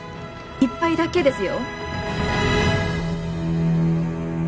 １杯だけですよ。